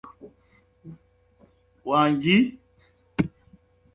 Emikutu, ebidiba n'obutaba obutono ebyali okumpi n'amayu, byali bikyaliwo.